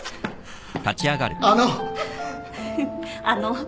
あの！